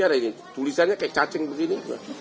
ada ini tulisannya kayak cacing begini